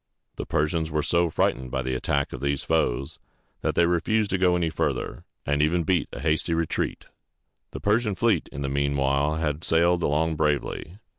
The Persians were so frightened by the attack of these foes, that they refused to go any farther, and even beat a hasty retreat. The Persian fleet in the mean while had sailed along bravely.